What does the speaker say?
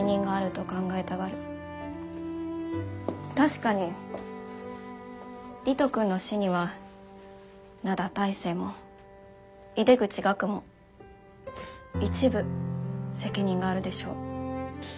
確かに理人くんの死には灘大聖も井出口岳も一部責任があるでしょう。